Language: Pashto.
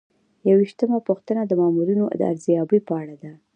یوویشتمه پوښتنه د مامورینو د ارزیابۍ په اړه ده.